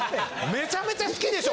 めちゃめちゃ好きでしょ？